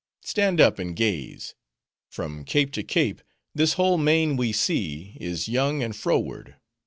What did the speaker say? —Stand up, and gaze! From cape to cape, this whole main we see, is young and froward.